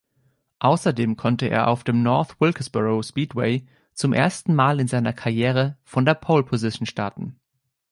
Außerdem konnte er auf dem North Wilkesboro Speedway zum ersten Mal in seiner Karriere von der Pole-Position starten.